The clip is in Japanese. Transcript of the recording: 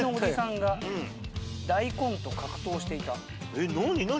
えっ何何？